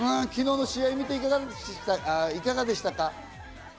昨日の試合を見て、いかがでしたか？